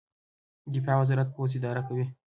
دفاع وزارت پوځ اداره کوي